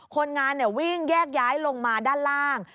คนงานวิ่งแยกย้ายลงมาด้านล่าง